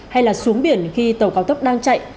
hay là xuống biển khi tàu cao tốc đang chạy